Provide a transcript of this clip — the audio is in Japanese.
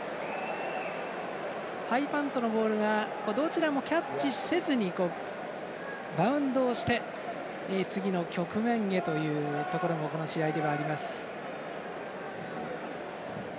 ハイパントのボールがどちらもキャッチせずにバウンドをして次の局面へというところもこの試合ではあります。